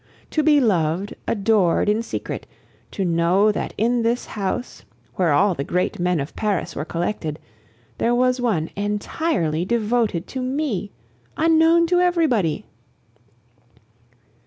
To be loved, adored in secret; to know that in this house, where all the great men of Paris were collected, there was one entirely devoted to me, unknown to everybody!